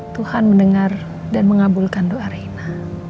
tuhan mendengar dan mengabulkan doa rena